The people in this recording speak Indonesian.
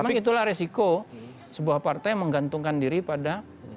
memang itulah resiko sebuah partai menggantungkan diri pada